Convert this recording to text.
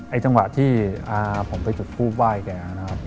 จังหวะที่ผมไปจุดทูปไหว้แกนะครับ